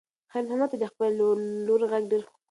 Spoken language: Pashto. خیر محمد ته د خپلې لور غږ ډېر خوږ ښکارېده.